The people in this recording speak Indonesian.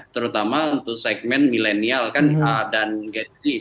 terutama untuk segmen milenial kan dan ged